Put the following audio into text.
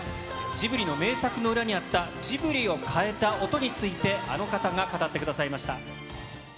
ジブリの名作の裏にあったジブリを変えた音について、あの方が語ってくださいました。